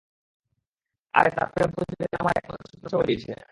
আরে, তার প্রেম পূজারি আমার একমাত্র সুট নষ্ট করে দিয়েছে।